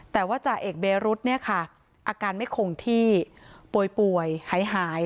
แต่ว่าจ่าเอกเบรุษเนี่ยค่ะอาการไม่คงที่ป่วยหาย